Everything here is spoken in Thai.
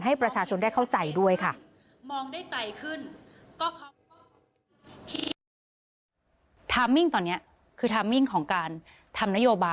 ให้ประชาชนได้เข้าใจด้วยค่ะ